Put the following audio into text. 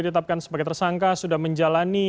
ditetapkan sebagai tersangka sudah menjalani